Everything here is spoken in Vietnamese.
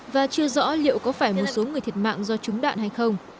và chưa rõ liệu có phải một số người thiệt mạng do trúng đạn hay không